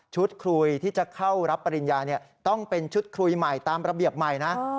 คุยที่จะเข้ารับปริญญาต้องเป็นชุดคุยใหม่ตามระเบียบใหม่นะ